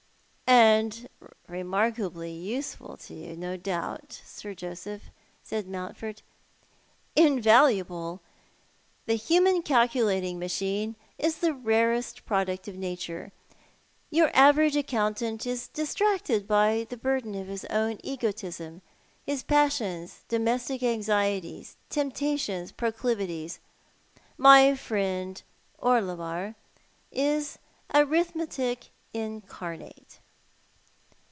" And remarkably useful to you, no doubt. Sir Joseph," said ^lountford. "Invaluable. The human calculating machine is the rarest product of nature. Your averi^ge accountant is distracti^d by the burden of his own egotism, his passions, domestic anxieties, temptations, proclivities. My friend Orlebar is arithmetic incarnate."